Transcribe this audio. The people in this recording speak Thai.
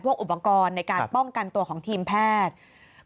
อุปกรณ์ในการป้องกันตัวของทีมแพทย์